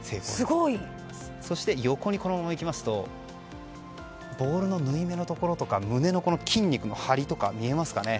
そして、横にいきますとボールの縫い目のところとか胸の筋肉の張りとか見えますかね。